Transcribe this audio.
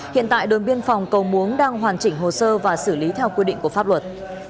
hiện tại đồn biên phòng cầu muống đang hoàn chỉnh hồ sơ và xử lý theo quy định của pháp luật